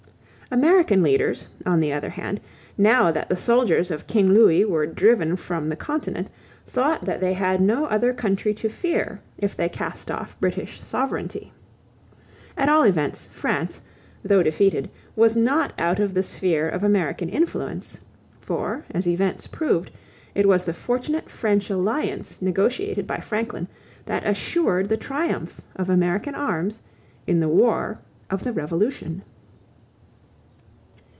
American leaders, on the other hand, now that the soldiers of King Louis were driven from the continent, thought that they had no other country to fear if they cast off British sovereignty. At all events, France, though defeated, was not out of the sphere of American influence; for, as events proved, it was the fortunate French alliance negotiated by Franklin that assured the triumph of American arms in the War of the Revolution.